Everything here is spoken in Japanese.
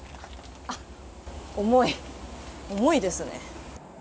あっ、重い、重いですね。